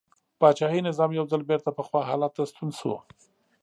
پاچاهي نظام یو ځل بېرته پخوا حالت ته ستون شو.